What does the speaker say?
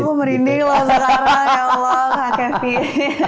aku merindih loh sekarang ya allah kak kevin